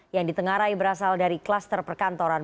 yang ditengarai berasal dari kluster perkantoran